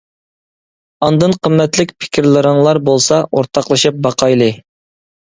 ئاندىن قىممەتلىك پىكىرلىرىڭلار بولسا، ئورتاقلىشىپ باقايلى!